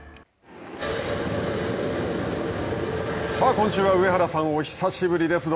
さあ、今週は上原さん、お久しぶりです。